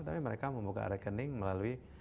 tapi mereka membuka rekening melalui